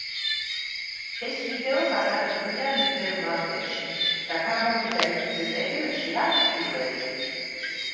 ეს ვიდეო გადაღებულია ნიდერლანდებში და გამოვიდა იგივე პერიოდში, რაც პირველი.